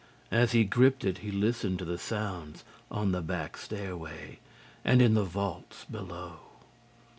As he gripped it, he listened to the sounds on the back stairway and in the vaults below.